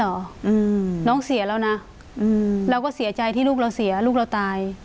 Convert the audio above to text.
อืมน้องเสียแล้วนะอืมเราก็เสียใจที่ลูกเราเสียลูกเราตาย